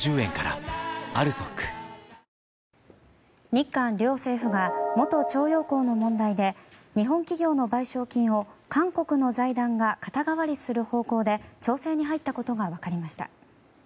日韓両政府が元徴用工の問題で日本企業の賠償金を韓国の財団が肩代わりする方向で調整に入ったことが分かりました。